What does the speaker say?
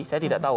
saya tidak tahu